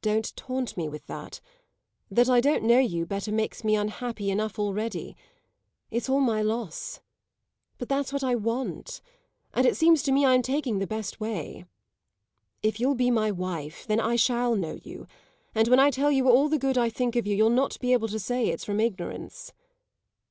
"Don't taunt me with that; that I don't know you better makes me unhappy enough already; it's all my loss. But that's what I want, and it seems to me I'm taking the best way. If you'll be my wife, then I shall know you, and when I tell you all the good I think of you you'll not be able to say it's from ignorance."